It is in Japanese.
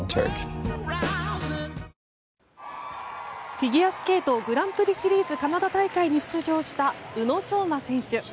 フィギュアスケートグランプリシリーズカナダ大会に出場した宇野昌磨選手。